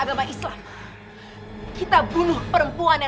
sampai jumpa di video selanjutnya